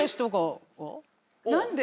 何で？